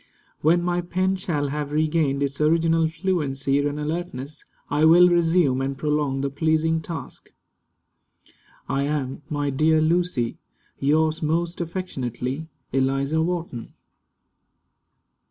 When my pen shall have regained its original fluency and alertness, I will resume and prolong the pleasing task. I am, my dear Lucy, yours most affectionately, ELIZA WHARTON.